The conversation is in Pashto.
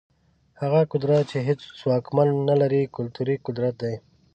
هغه قدرت چي هيڅ واکمن نلري، کلتوري قدرت دی.